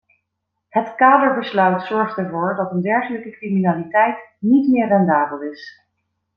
Het kaderbesluit zorgt ervoor dat een dergelijke criminaliteit niet meer rendabel is.